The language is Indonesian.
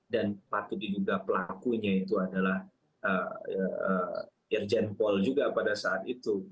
dan patut diduga pelakunya yaitu adalah irjen paul juga pada saat itu